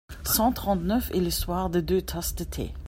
cent trente-neuf) et l'histoire des deux tasses de thé (p.